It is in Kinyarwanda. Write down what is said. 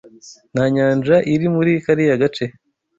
Nta nyanja iri muri kariya gace.